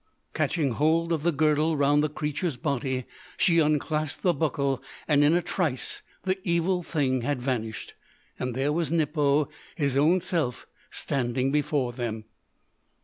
Catching hold of the girdle round the creature's body, she unclasped the buckle, and in a trice the evil thing had vanished; and there was Nippo, his own self, standing before them.